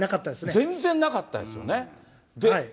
全然なかったですよね。